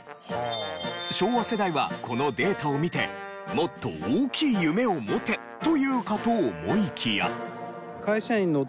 昭和世代はこのデータを見て「もっと大きい夢を持て！」と言うかと思いきや。と思うのも